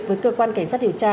với cơ quan cảnh sát điều tra